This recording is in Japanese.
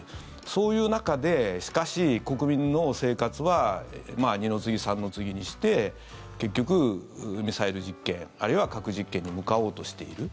そういう中で、しかし国民の生活は二の次、三の次にして結局、ミサイル実験あるいは核実験に向かおうとしている。